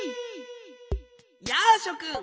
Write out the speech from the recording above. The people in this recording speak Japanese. やあしょくん！